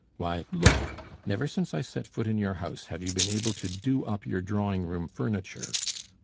Why, look, never since I set foot in your house have you been able to do up your drawing room furniture.